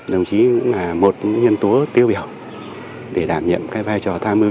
đồng chí là một nhân tố tiêu biểu